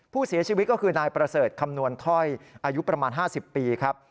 ผู้เสียชีวิตก็คือนายประเสริฐคำนวณถ้อยอายุประมาณ๕๐ปีครับ